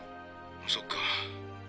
そっか。